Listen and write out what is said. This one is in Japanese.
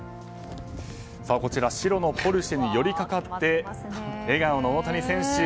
白のポルシェに寄りかかって笑顔の大谷選手。